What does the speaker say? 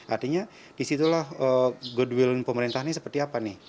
artinya disitulah goodwill pemerintah ini seperti apa nih